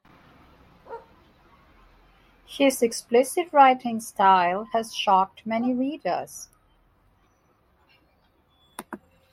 His explicit writing style has shocked many readers.